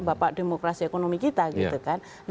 bapak demokrasi ekonomi kita